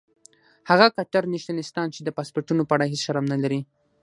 هغه کټر نیشنلستان چې د پاسپورټونو په اړه هیڅ شرم نه لري.